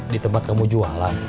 di tempat kamu jualan